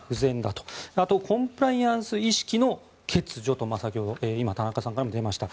あとコンプライアンス意識の欠如と先ほど今、田中さんからも出ました。